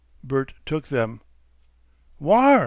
Bert took them. "Whar?"